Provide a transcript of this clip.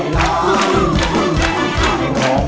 น้องปอนด์ร้องได้ให้ร้อง